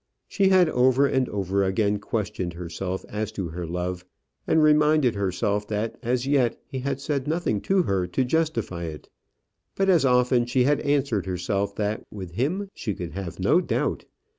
She had over and over again questioned herself as to her love, and reminded herself that as yet he had said nothing to her to justify it: but as often she had answered herself that with him she could have no doubt.